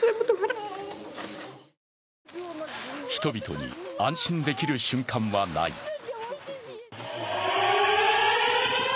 人々に安心できる瞬間はない。